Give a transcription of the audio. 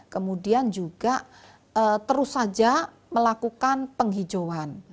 kemudian juga terus saja melakukan penghijauan